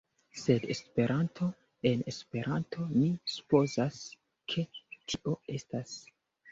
Sed Esperanto, en Esperanto mi supozas ke tio estas...